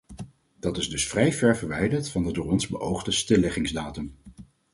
Dat is dus vrij ver verwijderd van de door ons beoogde stilleggingsdatum.